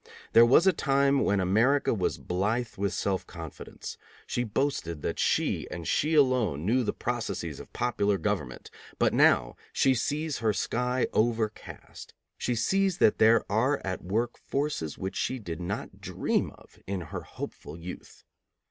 There was a time when America was blithe with self confidence. She boasted that she, and she alone, knew the processes of popular government; but now she sees her sky overcast; she sees that there are at work forces which she did not dream of in her hopeful youth.